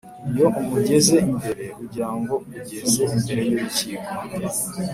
iyo umugeze imbere ugirango ujyeze imbere yurukiko